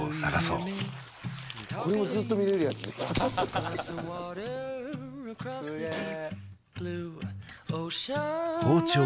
これもずっと見れるやつすげえ